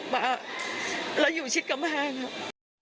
มาแล้วอยู่ชิดกับมาห้างครับ